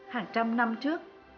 hàng trăm năm trước